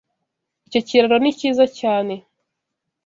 Icyo kiraro ni cyiza cyane.